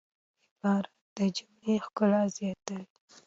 عبارت د جملې ښکلا زیاتوي.